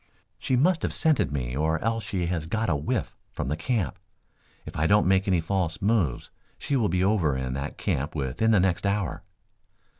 "She must have scented me or else she has got a whiff from the camp. If I don't make any false moves she will be over in that camp within the next hour."